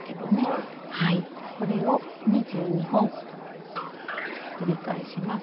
はいこれを２２本繰り返します。